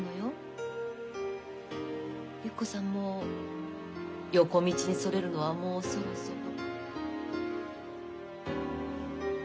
ゆき子さんも横道にそれるのはもうそろそろ。